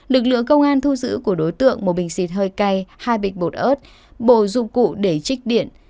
lực lượng công an thu giữ của đối tượng một bình xịt hơi cay hai bịch bột ớt bộ dụng cụ để trích điện